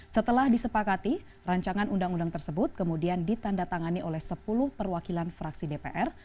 setelah disepakati rancangan undang undang tersebut kemudian ditanda tangani oleh sepuluh perwakilan fraksi dpr